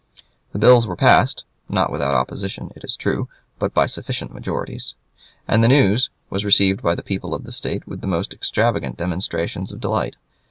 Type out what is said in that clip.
The bills were passed, not without opposition, it is true, but by sufficient majorities, and the news was received by the people of the State with the most extravagant demonstrations of delight.